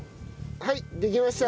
はいできました。